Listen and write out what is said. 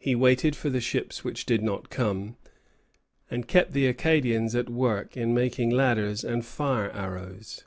He waited for the ships which did not come, and kept the Acadians at work in making ladders and fire arrows.